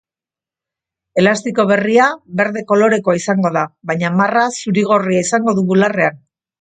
Elastiko berria berde kolorekoa izango da, baina marra zuri-gorria izango du bularrean.